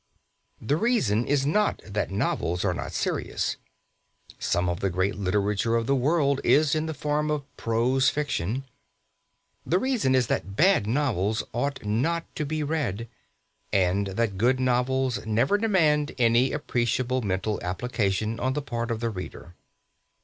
The reason is not that novels are not serious some of the great literature of the world is in the form of prose fiction the reason is that bad novels ought not to be read, and that good novels never demand any appreciable mental application on the part of the reader.